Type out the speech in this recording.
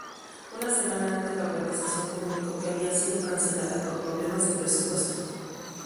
Una semana antes, la organización comunicó que había sido cancelada por problemas de presupuesto.